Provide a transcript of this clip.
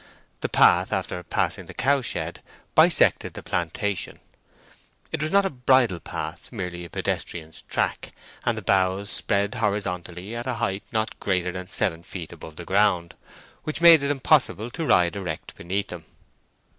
The path, after passing the cowshed, bisected the plantation. It was not a bridle path—merely a pedestrian's track, and the boughs spread horizontally at a height not greater than seven feet above the ground, which made it impossible to ride erect beneath them.